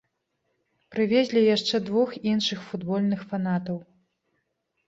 Прывезлі яшчэ двух іншых футбольных фанатаў.